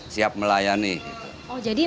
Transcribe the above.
siap melayani gitu